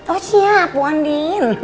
oh siap andi